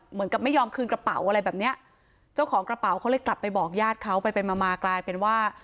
เหมือนกับไม่ยอมคืนกระเป๋าอะไรแบบเนี้ยเจ้าของกระเป๋าเขาเลยกลับไปบอกญาติเขาไปไปมามากลายเป็นว่า